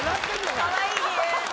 かわいい理由